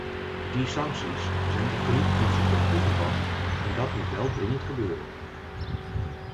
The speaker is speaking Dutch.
Die sancties zijn echter niet consequent toegepast en dat moet wel dringend gebeuren.